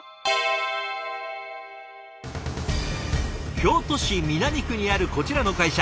京都市南区にあるこちらの会社。